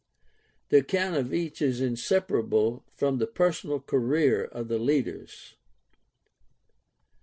The account of each is inseparable from the personal career of the leaders.